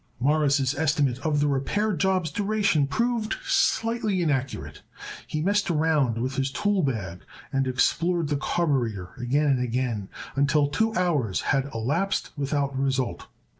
Morris' estimate of the repair job's duration proved slightly inaccurate. He messed around with his tool bag and explored the carburetter again and again until two hours had elapsed without result.